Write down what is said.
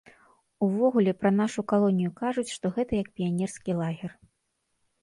Увогуле, пра нашу калонію кажуць, што гэта як піянерскі лагер.